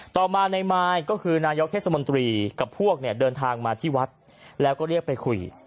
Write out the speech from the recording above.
ต่อมาในมายก็คือนายกเทศมนตรีกับพวกเนี่ยเดินทางมาที่วัดแล้วก็เรียกไปคุย